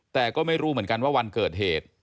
แต่ก็ไม่รู้เหมือนกันว่าวันเกิดเหตุ